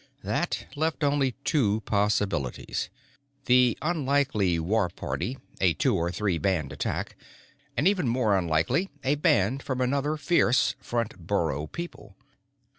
That left only two possibilities. The unlikely war party a two or three band attack and, even more unlikely, a band from another fierce, front burrow people.